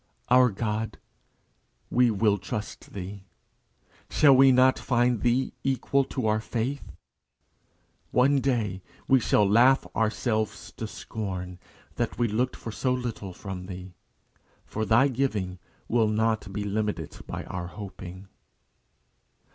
Our God, we will trust thee. Shall we not find thee equal to our faith? One day, we shall laugh ourselves to scorn that we looked for so little from thee; for thy giving will not be limited by our hoping.